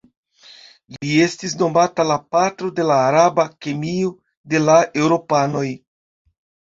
Li estis nomata la "patro de la araba kemio" de la eŭropanoj.